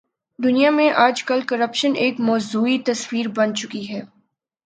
دنیا میں آج کل کرپشن ایک موضوعی تصور بن چکی ہے۔